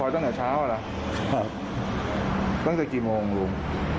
ตั้งแต่กี่โมงลุง